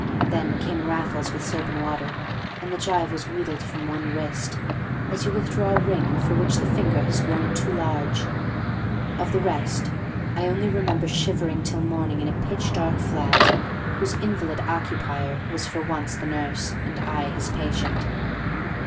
Then came Raffles with soap and water, and the gyve was wheedled from one wrist, as you withdraw a ring for which the finger has grown too large. Of the rest, I only remember shivering till morning in a pitch dark flat, whose invalid occupier was for once the nurse, and I his patient.